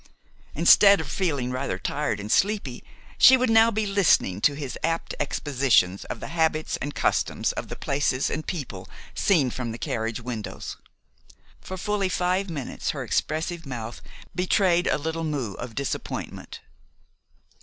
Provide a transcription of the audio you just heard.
Instead of feeling rather tired and sleepy, she would now be listening to his apt expositions of the habits and customs of the places and people seen from the carriage windows. For fully five minutes her expressive mouth betrayed a little moue of disappointment.